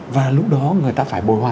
và lúc đó người ta phải bồi hoàn lại